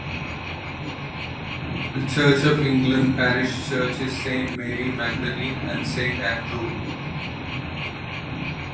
The Church of England parish church is Saint Mary Magdalene and Saint Andrew.